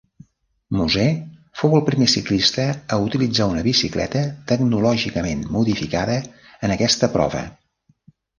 Moser fou el primer ciclista a utilitzar una bicicleta tecnològicament modificada en aquesta prova.